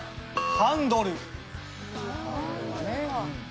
ハンドルか。